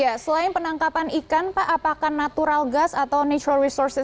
ya selain penangkapan ikan pak apakah natural gas atau natural resources